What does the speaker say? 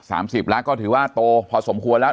สิบแล้วก็ถือว่าโตพอสมควรแล้ว